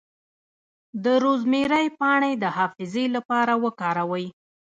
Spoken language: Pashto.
د روزمیری پاڼې د حافظې لپاره وکاروئ